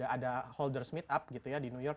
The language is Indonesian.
ada holders meet up gitu ya di new york